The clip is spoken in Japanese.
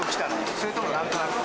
それともなんとなく？